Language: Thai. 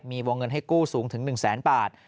มีวงเงินให้กู้สูงถึง๑แสนบาท